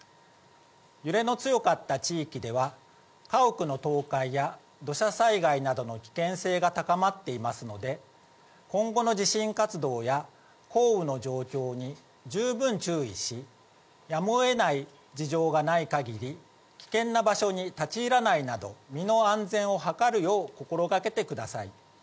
揺れの強かった地域では、家屋の倒壊や、土砂災害などの危険性が高まっていますので、今後の地震活動や、降雨の状況に十分注意し、やむをえない事情がないかぎり、危険な場所に立ち入らないなど、身の安全を図るよう心がけてください。